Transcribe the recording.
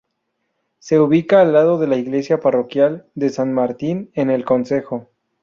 Se ubica al lado de la iglesia parroquial de San Martín en el concejo.